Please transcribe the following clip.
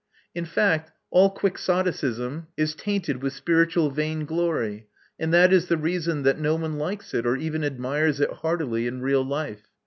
In fact, all quixotism is tainted with spiritual vain glory; and that is the reason that no one likes it, or even admires it heartily, in real life.